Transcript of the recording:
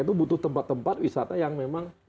itu butuh tempat tempat wisata yang memang